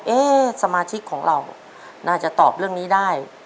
สมาชิกของเราน่าจะตอบเรื่องนี้ได้